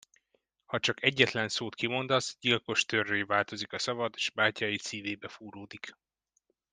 Ha csak egyetlen szót kimondasz, gyilkos tőrré változik a szavad, s bátyáid szívébe fúródik.